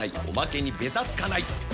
おまけにベタつかない！